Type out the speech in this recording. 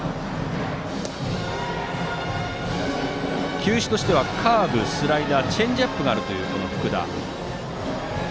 球種としてはカーブスライダー、チェンジアップがあるという福田。